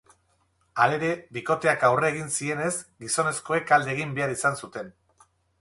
Halere, bikoteak aurre egin zienez, gizonezkoek alde egin behar izan zuten.